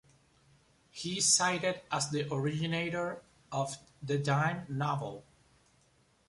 He is cited as the originator of the dime novel.